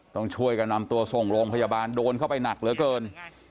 ต้องช่วยกันนำตัวส่งโรงพยาบาลโดนเข้าไปหนักเหลือเกิน